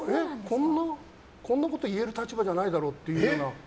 こんなこと言える立場じゃないだろうっていうような。